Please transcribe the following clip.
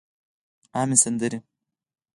عامې سندرې